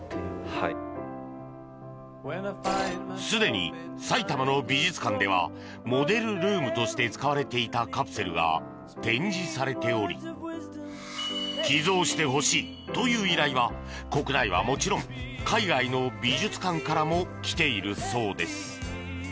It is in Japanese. すでに埼玉の美術館ではモデルルームとして使われていたカプセルが展示されており寄贈してほしいという依頼は国内はもちろん海外の美術館からも来ているそうです。